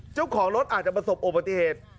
เจ้าของรถอาจจะประสบอุบัติเหตุ